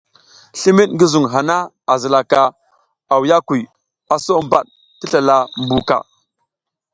Slimid ngi zuŋ hana a zilaka awiyakuy, a so bad ti slala mbuka.